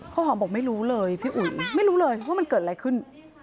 ข้าวหอมบอกไม่รู้เลยพี่อุ๋ยไม่รู้เลยว่ามันเกิดอะไรขึ้น